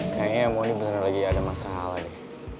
kayaknya mau ini besarnya lagi ada masalah deh